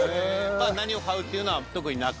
まあ何を買うっていうのは特になく？